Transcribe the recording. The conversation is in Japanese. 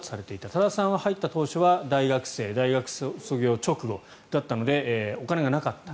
多田さんは入った直後は大学卒業直後だったのでお金がなかった。